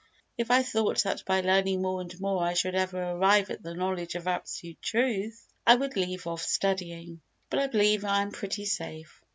If I thought that by learning more and more I should ever arrive at the knowledge of absolute truth, I would leave off studying. But I believe I am pretty safe.